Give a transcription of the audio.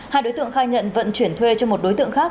hai đối tượng khai nhận vận chuyển thuê cho một đối tượng khác